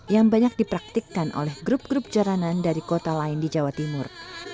yang banyak dipraktikkan oleh grup grup jalanan dari kota lain di jawa timur